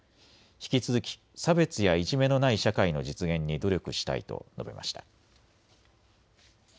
引き続き差別やいじめのない社会の実現に努力したいと述べました。